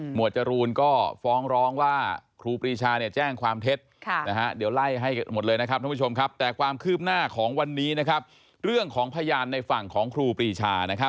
หมวดจรูลก็ฟ้องร้องว่าครูปรีชาแจ้งความเท็จ